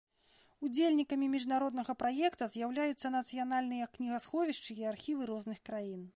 Удзельнікамі міжнароднага праекта з'яўляюцца нацыянальныя кнігасховішчы і архівы розных краін.